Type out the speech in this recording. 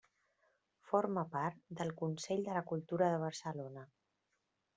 Forma part del Consell de la Cultura de Barcelona.